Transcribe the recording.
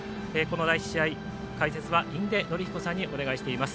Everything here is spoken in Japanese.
第１試合、解説は印出順彦さんにお願いしています。